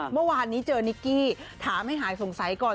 เมื่อวานนี้เจอนิกกี้ถามให้หายสงสัยก่อน